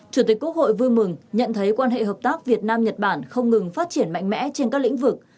chủ tịch quốc hội vui mừng nhận thấy quan hệ hợp tác việt nam nhật bản không ngừng phát triển mạnh mẽ trên các lĩnh vực